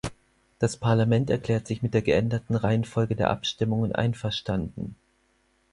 Das Parlament erklärt sich mit der geänderten Reihenfolge der Abstimmungen einverstanden.